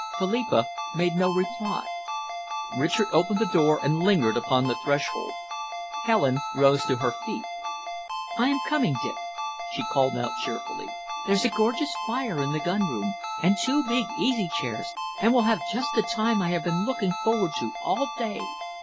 Philippa made no reply. Richard opened the door and lingered upon the threshold. Helen rose to her feet. "I am coming, Dick," she called out cheerfully. "There's a gorgeous fire in the gun room, and two big easy chairs, and we'll have just the time I have been looking forward to all day.